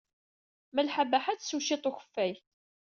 Malḥa Baḥa ad tsew cwiṭ n ukeffay.